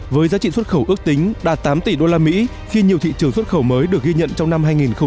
với giá trị xuất khẩu ước tính đạt tám tỷ usd khi nhiều thị trường xuất khẩu mới được ghi nhận trong năm hai nghìn một mươi chín